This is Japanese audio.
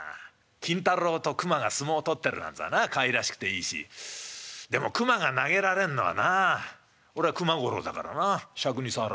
金太郎と熊が相撲取ってるなんてのはなかわいらしくていいしでも熊が投げられんのはな俺は熊五郎だからなしゃくに障らあ。